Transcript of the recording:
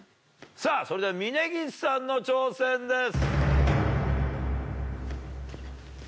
さぁそれでは峯岸さんの挑戦です。